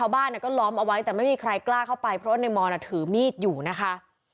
บ้านก็ล้อมเอาไว้แต่ไม่มีใครกล้าเข้าไปเพราะว่าในมอนถือมีดอยู่นะคะ